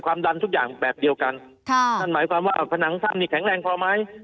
ดันทุกอย่างแบบเดียวกันค่ะนั่นหมายความว่าผนังถ้ำนี่แข็งแรงพอไหม